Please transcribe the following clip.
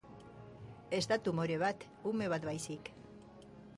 Ez da tumore bat, ume bat baizik.